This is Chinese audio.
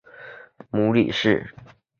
母李氏。